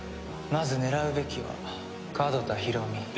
まず狙うべきは門田ヒロミ。